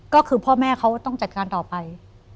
ก็คือพ่อแม่เขาต้องจัดการต่อไป